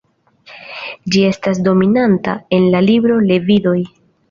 Ĝi estas dominanta en la libro Levidoj.